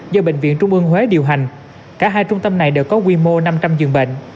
do bệnh viện trung ương huế điều hành cả hai trung tâm này đều có quy mô năm trăm linh giường bệnh